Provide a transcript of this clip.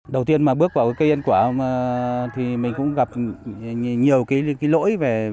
đầu tiên mà bước vào cây ăn quả thì mình cũng gặp nhiều cái lỗi